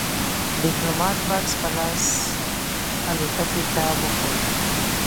ديپلومات بکس په لاس الوتکې ته وخوت.